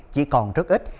chỉ còn rất ít